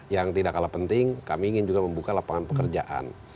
yang tidak kalah penting kami ingin juga membuka lapangan pekerjaan